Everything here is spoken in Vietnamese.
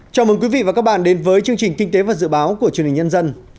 chào mừng quý vị và các bạn đến với chương trình kinh tế và dự báo của truyền hình nhân dân